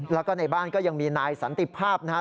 แล้วก็ในบ้านก็ยังมีนายสันติภาพนะครับ